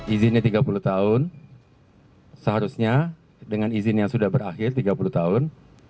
izinnya tiga puluh tahun seharusnya dengan izin yang sudah berakhir tiga puluh tahun